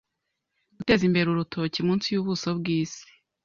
Guteza imbere urutoki munsi yubuso bwisi